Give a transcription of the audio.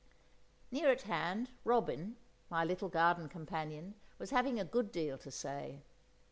Near at hand, robin, my little garden companion, was having a good deal to say.